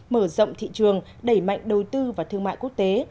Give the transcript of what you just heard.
mở rộng thị trường đẩy mạnh đầu tư và thương mại quốc tế